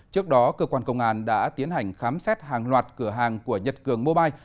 trước đó cơ quan công an đã tiến hành khám xét hàng loạt cửa hàng của nhật cường mobile